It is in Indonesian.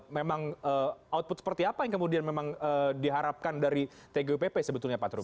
memang output seperti apa yang kemudian memang diharapkan dari tgupp sebetulnya pak truk